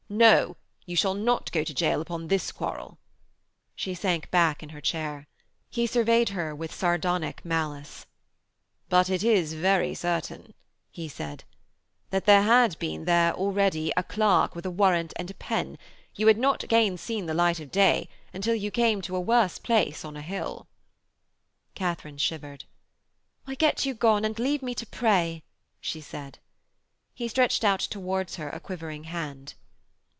'No, you shall not go to gaol upon this quarrel!' She sank back into her chair. He surveyed her with a sardonic malice. 'But it is very certain,' he said, 'that had there been there ready a clerk with a warrant and a pen, you had not again seen the light of day until you came to a worse place on a hill.' Katharine shivered. 'Why, get you gone, and leave me to pray,' she said. He stretched out towards her a quivering hand.